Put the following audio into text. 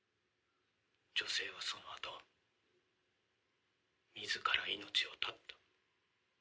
女性はそのあと自ら命を絶った。